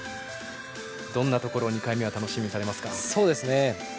どんなところを２回目は楽しみにされますか？